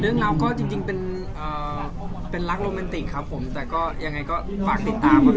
เรื่องราวก็จริงเป็นรักโรแมนติกครับผมแต่ก็ยังไงก็ฝากติดตาม